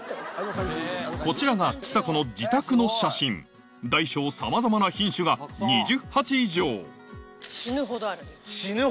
こちらがちさ子の自宅の写真大小さまざまな品種が２０鉢以上死ぬほどある。